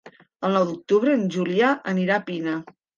El nou d'octubre en Julià anirà a Pina.